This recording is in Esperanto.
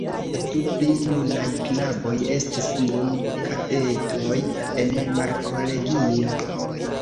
La du pli junaj knaboj estis nun kadetoj en markolegio.